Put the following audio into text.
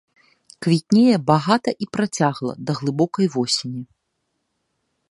Квітнее багата і працягла да глыбокай восені.